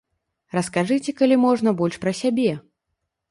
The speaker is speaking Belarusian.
Раскажыце, калі можна, больш пра сябе.